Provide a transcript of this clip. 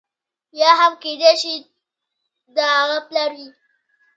یا هم کېدای شي د هغه پلار وي.